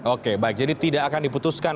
oke baik jadi tidak akan diputuskan